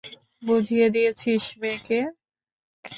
বুঝিয়ে দিয়েছিস মেয়েকে?